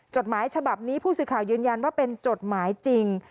จดหมายฉบับนี้ผู้สื่อข่าวยืนยันว่าเป็นจดหมายจริง